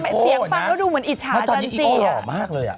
ทำไมเสียงฟังแล้วดูเหมือนอิจฉาจันทรีย์น่ะมาริโอมากเลยอ่ะ